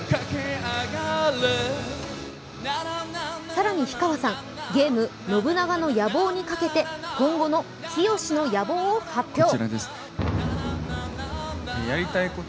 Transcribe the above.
更に氷川さん、ゲーム「信長の野望」にかけて今後のきよしの野望を発表。